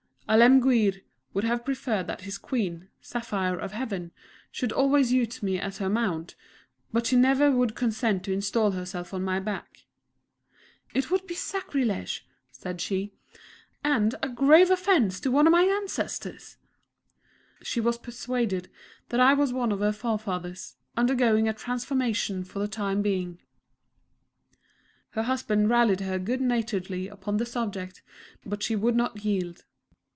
Alemguir would have preferred that his Queen, Saphire of Heaven should always use me as her mount; but she never would consent to install herself on my back.... "It would be a sacrilege!" said she, "and a grave offence to one of my Ancestors!" She was persuaded that I was one of her forefathers, undergoing a transformation for the time being. Her husband rallied her good naturedly upon the subject, but she would not yield.